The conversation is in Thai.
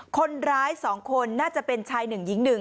คนร้ายสองคนน่าจะเป็นชายหนึ่งหญิงหนึ่ง